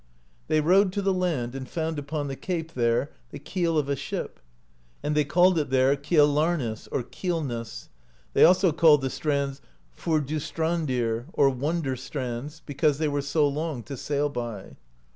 They rowed to the land and found upon the cape there the keel of a ship (47) and they called it there Kialarnes [Keelness] ; they also called the strands Furdustrandir [Wonder strands], be cause they were so long to sail by.